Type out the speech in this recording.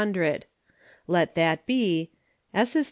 Let that be S.